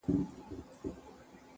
په وطن كي عدالت نسته ستم دئ -